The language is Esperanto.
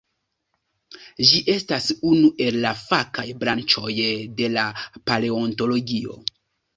Ĝi estas unu el la fakaj branĉoj de la paleontologio.